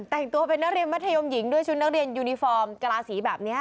แต่งตัวเป็นนักเรียนมัธยมหญิงด้วยชุดนักเรียนยูนิฟอร์มกราศีแบบนี้